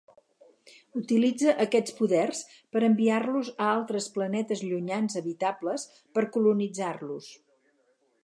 Utilitza aquests poders per enviar-los a altres planetes llunyans habitables per colonitzar-los.